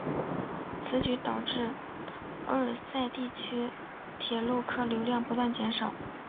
此举导致欧塞尔地区铁路客流量不断减少。